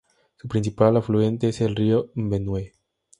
Su principal afluente es el río Benue.